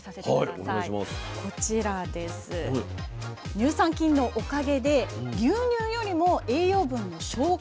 乳酸菌のおかげで牛乳よりも栄養分の消化